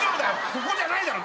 ここじゃないだろ。